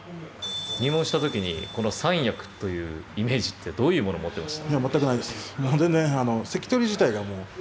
入門した時にこの三役というイメージってどういうものを持っていました？